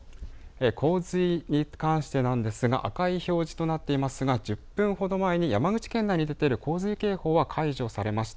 洪水に関してなんですが赤い表示となっていますが１０分ほど前に山口県内で出ている洪水警報は解除されました。